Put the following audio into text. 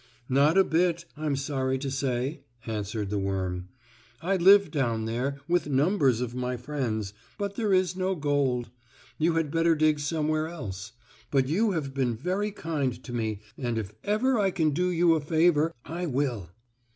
"Not a bit, I'm sorry to say," answered the worm. "I live down there with numbers of my friends, but there is no gold. You had better dig somewhere else. But you have been very kind to me, and if ever I can do you a favor I will."